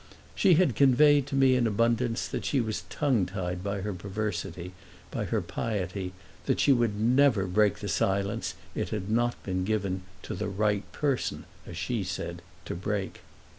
She had conveyed to me in abundance that she was tongue tied by her perversity, by her piety, that she would never break the silence it had not been given to the "right person," as she said, to break.